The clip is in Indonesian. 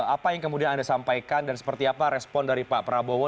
apa yang kemudian anda sampaikan dan seperti apa respon dari pak prabowo